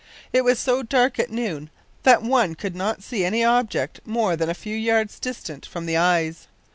It was so dark at noon that one could not see any object more than a few yards distant from the eyes.